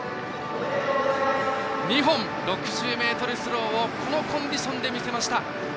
２本、６０ｍスローをこのコンディションで見せました。